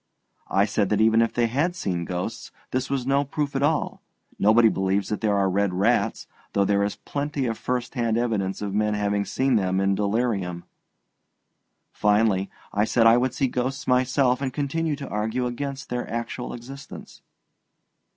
I said that even if they had seen ghosts, this was no proof at all; nobody believes that there are red rats, though there is plenty of first hand evidence of men having seen them in delirium. Finally, I said I would see ghosts myself, and continue to argue against their actual existence.